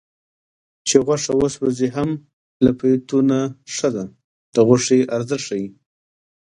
چې غوښه وسوځي هم له پیتو نه ښه ده د غوښې ارزښت ښيي